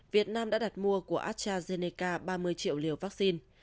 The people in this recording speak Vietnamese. việt nam đã đặt mua của astrazeneca ba mươi triệu liều vaccine